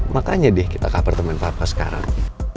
makanya deh kita ke apartemen papa sekarang